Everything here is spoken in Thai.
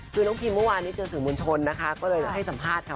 คือน้องพิมเมื่อวานนี้เจอสื่อมวลชนนะคะก็เลยให้สัมภาษณ์ค่ะ